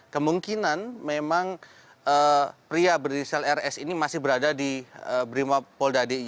kemungkinan memang pria berinisial rs ini masih berada di brimopolda dy